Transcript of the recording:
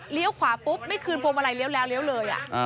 เลี้ยวขวาปุ๊บไม่คืนโพมอะไรเลี้ยวแล้วเลี้ยวเลยอ่ะอ่า